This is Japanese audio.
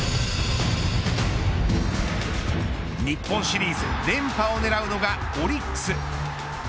日本シリーズ連覇を狙うのがオリックス。